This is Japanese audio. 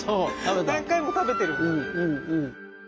何回も食べてるんだ。